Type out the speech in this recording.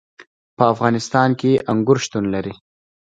په افغانستان کې انګور شتون لري.